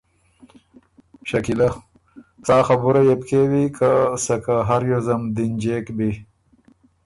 شکیلۀ: سا خبُره يې بو کېوی که سکه هر ریوزم دِنجېک بی۔